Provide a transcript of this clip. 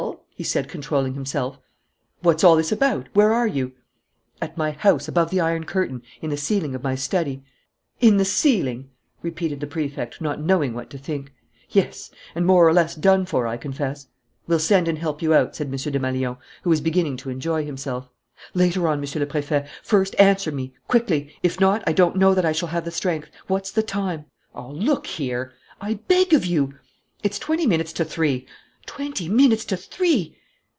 he said, controlling himself. "What's all this about? Where are you?" "At my house, above the iron curtain, in the ceiling of my study." "In the ceiling!" repeated the Prefect, not knowing what to think. "Yes; and more or less done for, I confess." "We'll send and help you out," said M. Desmalions, who was beginning to enjoy himself. "Later on, Monsieur le Préfet. First answer me. Quickly! If not, I don't know that I shall have the strength. What's the time?" "Oh, look here!" "I beg of you " "It's twenty minutes to three." "Twenty minutes to three!"